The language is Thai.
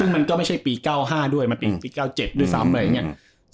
มันก็ไม่ใช่ปี๙๕ด้วยมันเป็นปี๙๗ด้วยซ้ำอะไรอย่างเงี้ย